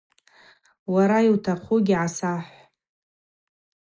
Уара йутахъугьи гӏасахӏв.